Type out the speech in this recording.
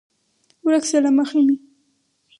ورک شه له مخې مې!